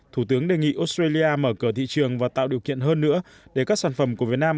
thủ tướng đề nghị australia mở cửa thị trường và tạo điều kiện hơn nữa để các sản phẩm của việt nam